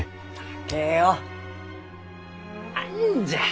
何じゃあ？